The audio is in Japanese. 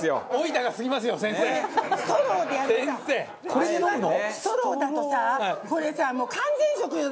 これさ完全食よ。